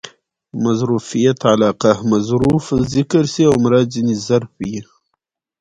مظروفیت علاقه؛ مظروف ذکر سي او مراد ځني ظرف يي.